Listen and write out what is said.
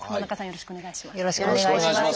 よろしくお願いします。